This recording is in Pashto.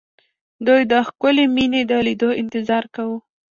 دوی د ښکلې مينې د ليدو انتظار کاوه